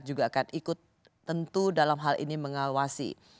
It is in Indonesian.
dan juga akan ikut tentu dalam hal ini mengawasi